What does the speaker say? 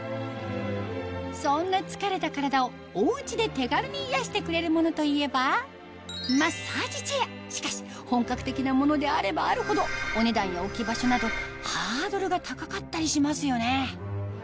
そんな疲れた体をおうちで手軽に癒やしてくれるものといえばしかし本格的なものであればあるほどお値段や置き場所などハードルが高かったりしますよね